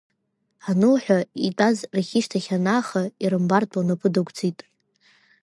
Анылҳәа, итәаз рахь ишьҭахь анааха, ирымбартә лнапы дагәӡит.